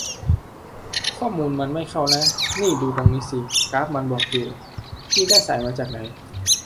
ข้อมูลมันไม่เข้านะ นี่ดูตรงนี้สิ กราฟมันบอกอยู่ พี่ได้สายมาจากไหน